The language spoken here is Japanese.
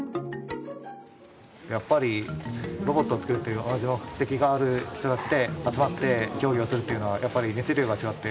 やっぱりロボットを作るっていう同じ目的がある人たちで集まって競技をするっていうのはやっぱり熱量が違って。